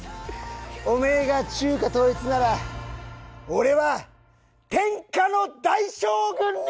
おめえが中華統一なら俺は天下の大将軍になる！